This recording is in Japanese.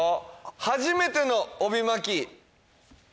「初めての帯巻き」